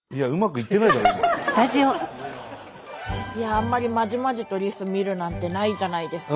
あんまりまじまじとリス見るなんてないじゃないですか。